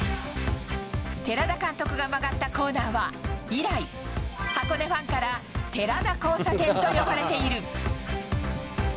寺田監督が曲がったコーナーは、以来、箱根ファンから寺田交差点と呼ばれている。